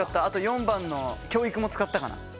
あと４番の教育も使ったかな。